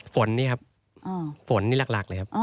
ฝนนี่ครับฝนนี่หลักเลยครับ